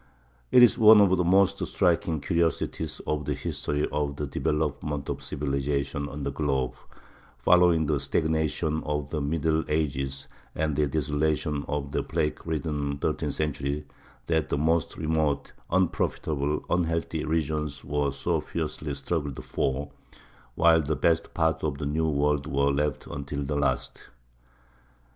It is one of the most striking curiosities of the history of the development of civilization on the globe, following the stagnation of the middle ages and the desolation of the plague ridden thirteenth century, that the most remote, unprofitable, unhealthy regions were so fiercely struggled for, while the best parts of the New World were left until the last.